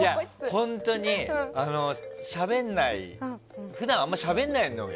本当に普段あまりしゃべらないのよ。